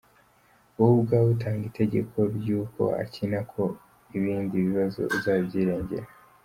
Wowe ubwawe utanga itegeko ry’uko akina ko ibindi bibazo uzabyirengera!!